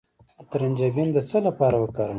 د ترنجبین د څه لپاره وکاروم؟